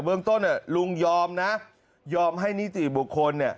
เมืองต้นลุงยอมนะยอมให้นิติบุคคลเนี่ย